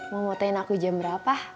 mau motoin aku jam berapa